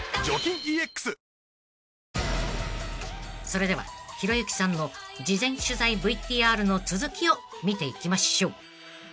［それではひろゆきさんの事前取材ＶＴＲの続きを見ていきましょう］